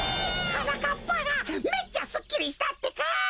はなかっぱがめっちゃすっきりしたってか！